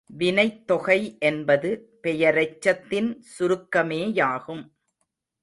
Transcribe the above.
வினைத் தொகை என்பது பெயரெச்சத்தின் சுருக்கமேயாகும்.